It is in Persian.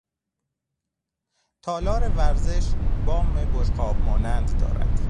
تالار ورزش بام بشقاب مانند دارد.